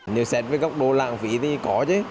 nhiều xét với góc độ lãng phí thì có chứ